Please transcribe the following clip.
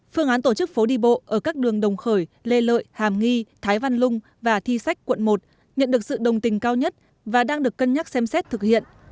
phương án tổ chức phố đi bộ ở các đường đồng khởi lê lợi hàm nghi thái văn lung và thi sách quận một nhận được sự đồng tình cao nhất và đang được cân nhắc xem xét thực hiện